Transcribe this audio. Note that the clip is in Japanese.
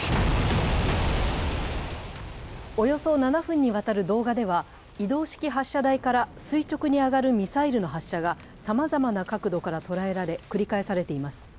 およそ７分にわたる動画では、移動式発射台から垂直に上がるミサイルの発射がさまざまな角度から捉えられ、繰り返されています。